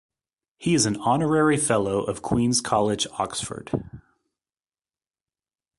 He is an Honorary Fellow of Queen's College, Oxford.